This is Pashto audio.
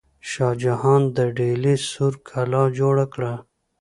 شاه جهان د ډیلي سور کلا جوړه کړه.